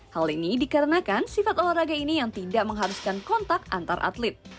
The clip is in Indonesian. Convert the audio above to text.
hal ini dikarenakan sifat olahraga ini yang tidak mengharuskan kontak antar atlet